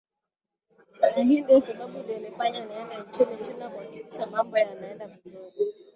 na hii ndiyo sababu iliyonifanya niende nchini china kuhakikisha mambo yanaenda vizuri